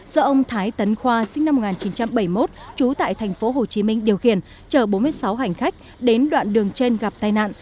do ông thái tấn khoa sinh năm một nghìn chín trăm bảy mươi một trú tại tp hcm điều khiển chở bốn mươi sáu hành khách đến đoạn đường trên gặp tai nạn